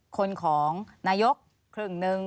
คนของนายกครึ่งหนึ่ง